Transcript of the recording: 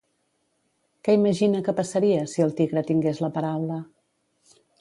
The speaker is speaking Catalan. Què imagina que passaria si el tigre tingués la paraula?